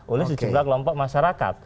oleh sejumlah kelompok masyarakat